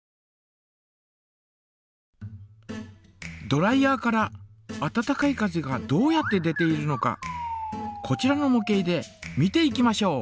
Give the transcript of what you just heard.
ドライヤーから温かい風がどうやって出ているのかこちらのも型で見ていきましょう。